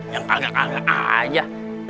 yang kagak kagak aja